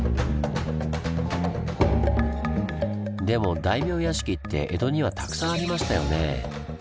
でも大名屋敷って江戸にはたくさんありましたよねぇ。